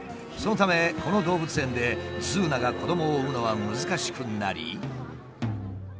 そのためこの動物園でズーナが子どもを産むのは難しくなり。